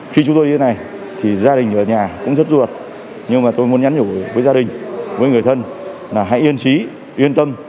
khi chúng tôi như thế này thì gia đình ở nhà cũng rất ruột nhưng mà tôi muốn nhắn nhủ với gia đình với người thân là hãy yên trí yên tâm